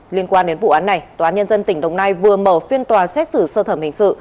liên quan đến vụ án này tòa nhân dân tỉnh đồng nai vừa mở phiên tòa xét xử sơ thẩm hình sự